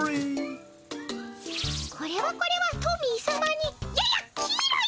これはこれはトミー様にややっ黄色いの！